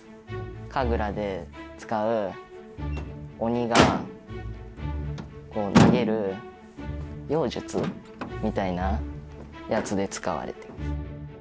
神楽で使う鬼が投げる妖術みたいなやつで使われてます。